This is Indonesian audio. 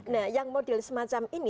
nah yang model semacam ini